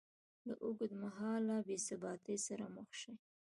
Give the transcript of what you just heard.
له اوږدمهاله بېثباتۍ سره مخ شي